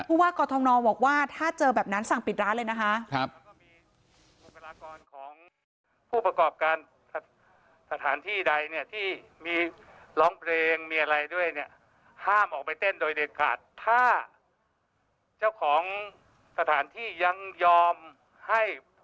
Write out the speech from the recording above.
ผู้ว่ากอทนบอกว่าถ้าเจอแบบนั้นสั่งปิดร้านเลยนะคะ